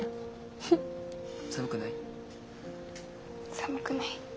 寒くない。